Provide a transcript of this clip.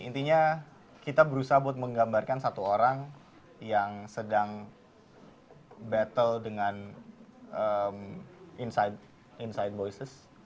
intinya kita berusaha buat menggambarkan satu orang yang sedang battle dengan insight voices